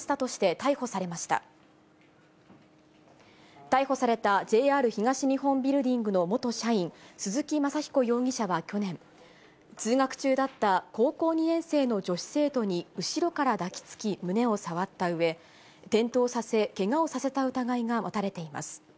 逮捕された、ＪＲ東日本ビルディングの元社員、鈴木正彦容疑者は去年、通学中だった高校２年生の女子生徒に後ろから抱きつき、胸を触ったうえ、転倒させ、けがをさせた疑いが持たれています。